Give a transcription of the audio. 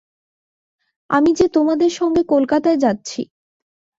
আমি যে তোমাদের সঙ্গে কলকাতায় যাচ্ছি।